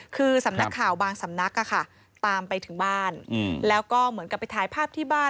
คือสำนักข่าวบางสำนักตามไปถึงบ้านแล้วก็เหมือนกับไปถ่ายภาพที่บ้าน